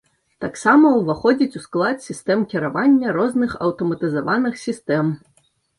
Таксама ўваходзіць у склад сістэм кіравання розных аўтаматызаваных сітсэм.